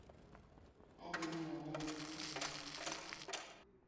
Adhi nyieo ne nyithindo gik tugo